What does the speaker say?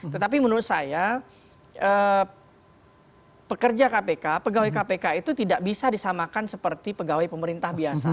tetapi menurut saya pekerja kpk pegawai kpk itu tidak bisa disamakan seperti pegawai pemerintah biasa